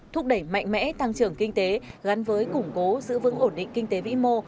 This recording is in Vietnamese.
thúc đẩy mạnh mẽ tăng trưởng kinh tế gắn với củng cố giữ vững ổn định kinh tế vĩ mô